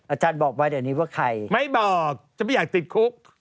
อาจารย์บอกไว้เดี๋ยวนี้ว่าใครไม่บอกจะไม่อยากติดคุก